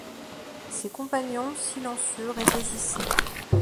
Ses compagnons, silencieux, réfléchissaient.